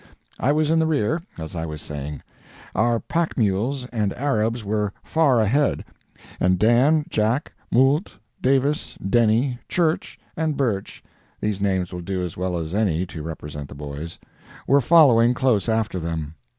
I was in the rear, as I was saying. Our pack mules and Arabs were far ahead, and Dan, Jack, Moult, Davis, Denny, Church, and Birch (these names will do as well as any to represent the boys) were following close after them.